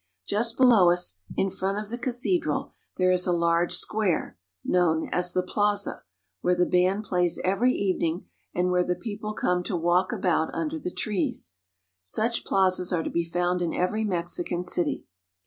Just below us, in front of the cathedral, there is a large square, known as the plaza, where the band plays every evening, and where the people come to walk about under the trees. Such plazas are to be found in every Mexican city.